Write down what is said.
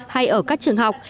hay ở các trường học